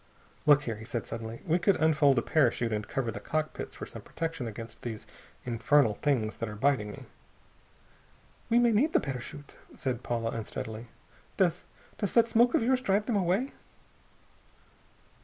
"Look here," he said suddenly, "we could unfold a parachute and cover the cockpits for some protection against these infernal things that are biting me." "We may need the parachute," said Paula unsteadily. "Does does that smoke of yours drive them away?"